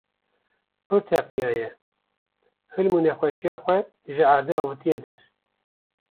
pir teqiyaye, hilm û nexweşiya xwe ji erdê avitiye der